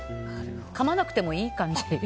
かまなくてもいい感じ。